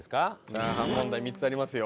炒飯問題３つありますよ。